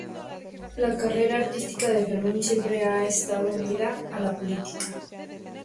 La carrera artística de Fermin siempre ha estado unida a la política.